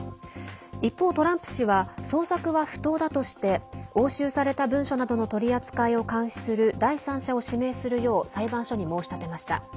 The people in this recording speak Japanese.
一方、トランプ氏は捜索は不当だとして押収された文書などの取り扱いを監視する第三者を指名するよう裁判所に申し立てました。